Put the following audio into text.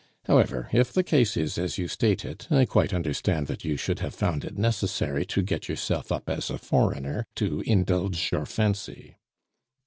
However, if the case is as you state it, I quite understand that you should have found it necessary to get yourself up as a foreigner to indulge your fancy."